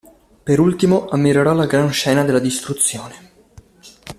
Per ultimo, ammirerò la gran scena della distruzione.